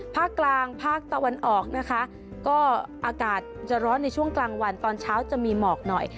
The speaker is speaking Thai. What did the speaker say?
ภาคกลางภาคตะวันออกนะคะก็อากาศจะร้อนในช่วงกลางวันตอนเช้าจะมีหมอกหน่อย